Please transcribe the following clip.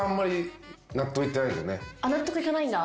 納得いかないんだ。